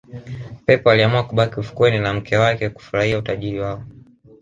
pep aliamua kubaki ufukweni na mke wake kufurahia utajiri wao